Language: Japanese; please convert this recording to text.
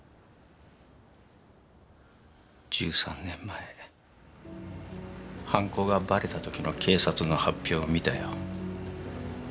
１３年前犯行がバレた時の警察の発表を見たよ。